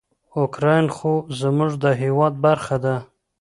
اوکراین خو زموږ د هیواد برخه ده.